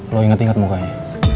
lo inget inget mukanya